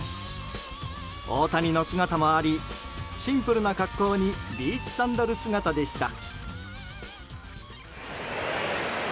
大谷の姿もありシンプルな格好にビーチサンダル姿でした。